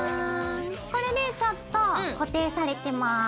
これでちょっと固定されてます。